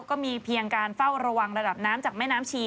ก็มีเพียงการเฝ้าระวังระดับน้ำจากแม่น้ำชี